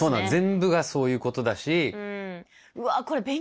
全部がそういうことだし。